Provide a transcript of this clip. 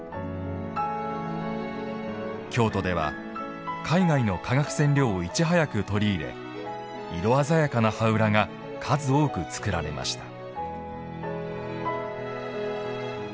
京都では、海外の化学染料をいち早く取り入れ色鮮やかな羽裏が数多く作られました。